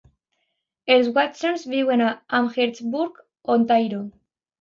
Els Watsons viuen a Amherstburg, Ontario.